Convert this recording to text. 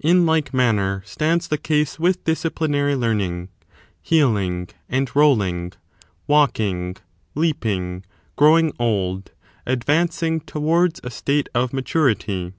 In like manner stands the case with disciplinary learning, healing, and rolling, walking, leaping, growing old, advancing towards a state of maturity.